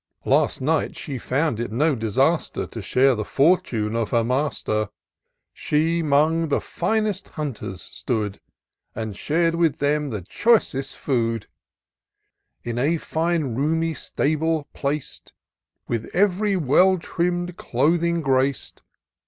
Last night she found it no disaster To share the fortime of her master ; She, 'mong the finest hunters stood, And shar'd with them the choicest food : In a fine roomy stable plac'd, With ev'ry weU trimm'd clothing grac'd.